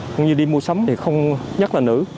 cũng như đi mua sắm thì không nhắc là nữ